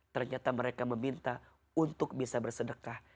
ternyata mereka meminta untuk bisa bersedekah